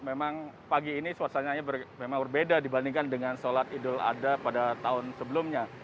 memang pagi ini suasananya memang berbeda dibandingkan dengan sholat idul adha pada tahun sebelumnya